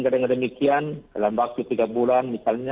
dengan demikian dalam waktu tiga bulan misalnya